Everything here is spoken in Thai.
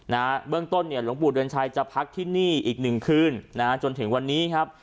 เบื้องต้นเนี่ยหลวงปู่เดือนชัยจะพักที่นี่อีกหนึ่งคืนนะฮะจนถึงวันนี้ครับ